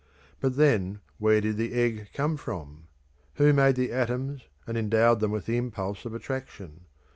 But, then, where did the egg come from? Who made the atoms and endowed them with the impulse of attraction?